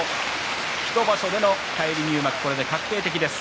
１場所での返り入幕が確定的です。